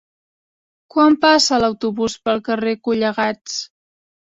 Quan passa l'autobús pel carrer Collegats?